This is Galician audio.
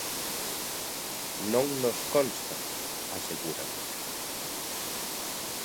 "Non nos consta", aseguran.